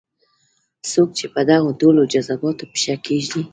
څوک چې په دغو ټولو جذباتو پښه کېږدي.